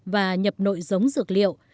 và nhập nội giống dược liệu